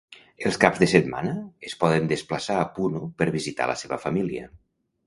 Els caps de setmana es poden desplaçar a Puno per visitar la seva família.